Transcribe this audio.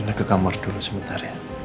naik ke kamar dulu sebentar ya